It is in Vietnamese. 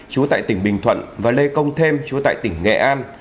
chúa tại tỉnh bình thuận và lê công thêm chúa tại tỉnh nghệ an